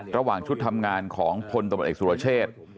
ระหว่างชุดทำงานของพลตำรวจเอกสุรเชษ